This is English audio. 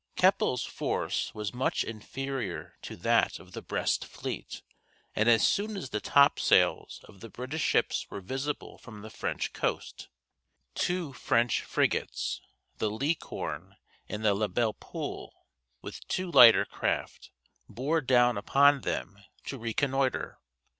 Keppel's force was much inferior to that of the Brest fleet, and as soon as the topsails of the British ships were visible from the French coast, two French frigates, the Licorne and La Belle Poule, with two lighter craft, bore down upon them to reconnoitre.